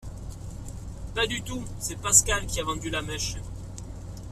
Pas du tout! C’est Pascal qui a vendu la mèche.